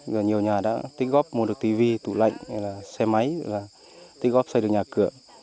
giờ nhiều nhà đã tích góp mua được tivi tủ lạnh xe máy tích góp xây được nhà cửa